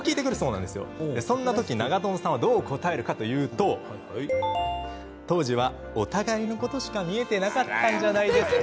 そんな時、長友さんは当時はお互いのことしか見えていなかったんじゃないですか？